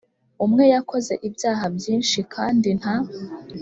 umwe yakoze ibyaha byinshi kandi nta